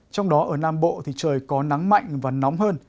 trong đó ở nam bộ thì trời có nắng mạnh và nóng hơn